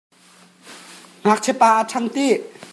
Ngakchiapa a ṭhangh tih?